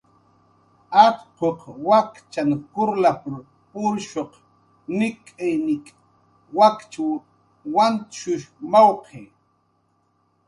"Atquq wakchan kurralp""r purshuq nik'iy nik' wakchw wantshush mawqi"